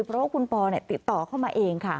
เพราะว่าคุณปอติดต่อเข้ามาเองค่ะ